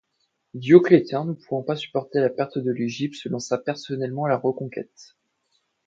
Dioclétien ne pouvant supporter la perte de l'Égypte, se lança personnellement à la reconquête.